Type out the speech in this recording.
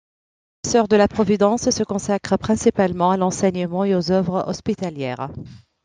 Les sœurs de la Providence se consacrent principalement à l'enseignement et aux œuvres hospitalières.